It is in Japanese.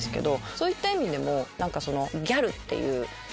そういった意味でも。